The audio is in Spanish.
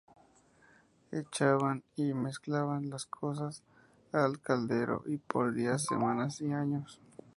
Echaban y mezclaban cosas al caldero por días, semanas y años.